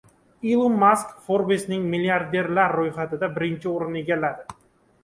Ilon Mask “Forbes”ning milliarderlar ro‘yxatida birinchi o‘rinni egalladi